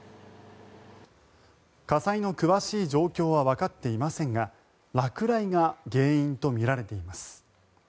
火災の詳しい状況はわかっていませんが落雷が原因とみられています。